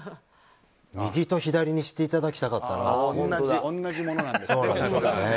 右と左にしていただきたかったなっていう。